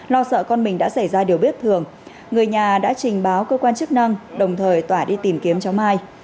lo sợ con mình đã xảy ra điều bất thường người nhà đã trình báo cơ quan chức năng đồng thời tỏa đi tìm kiếm cháu mai